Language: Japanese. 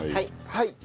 はい。